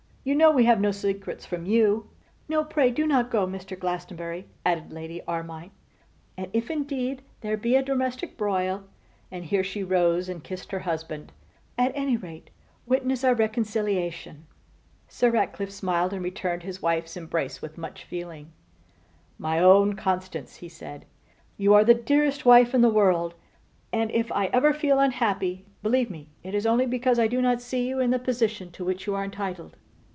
You know we have no secrets from you.' 'No, pray do not go, Mr. Glastonbury,' added Lady Armine: 'and if indeed there be a domestic broil,' and here she rose and kissed her husband, 'at any rate witness our reconciliation.' Sir Ratcliffe smiled, and returned his wife's embrace with much feeling. 'My own Constance,' he said, 'you are the dearest wife in the world; and if I ever feel unhappy, believe me it is only because I do not see you in the position to which you are entitled.